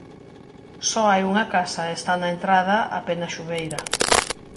Só hai unha casa e está na entrada a Penaxubeira.